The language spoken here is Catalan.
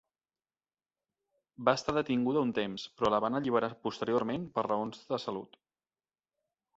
Va estar detinguda un temps però la van alliberar posteriorment per raons de salut.